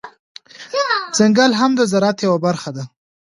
ځنګل هم د زرعت برخه ده